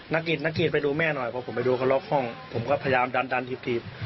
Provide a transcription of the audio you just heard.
นักกิจนักกิจไปดูแม่หน่อยเพราะผมไปดูเขาล็อกห้องผมก็พยายามดันดันถีบ